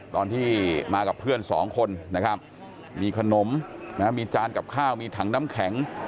ตอนที่มากับเพื่อนสองคนนะครับมีขนมมีจานกับข้าวมีถังน้ำแข็ง